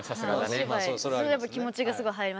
お芝居気持ちがすごい入ります。